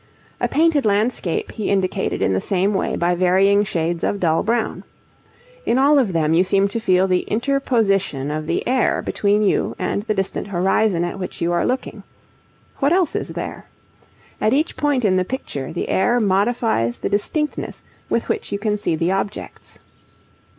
A painted landscape he indicated in the same way by varying shades of dull brown. In all of them you seem to feel the interposition of the air between you and the distant horizon at which you are looking. What else is there? At each point in the picture the air modifies the distinctness with which you can see the objects.